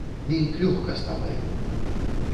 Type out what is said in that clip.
Нейк лёгка стала яму.